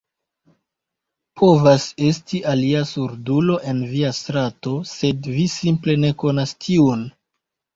Povas esti alia surdulo en via strato, sed vi simple ne konas tiun.